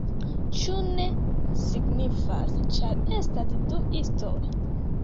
Ĉu ne signifas, ĉar estas du istoj?